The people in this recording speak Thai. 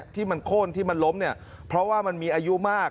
ที่มันโค้นที่มันล้มเนี่ยเพราะว่ามันมีอายุมาก